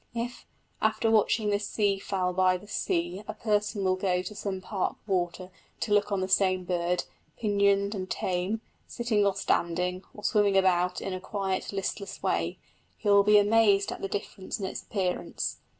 If, after watching this sea fowl by the sea, a person will go to some park water to look on the same bird, pinioned and tame, sitting or standing, or swimming about in a quiet, listless way, he will be amazed at the difference in its appearance.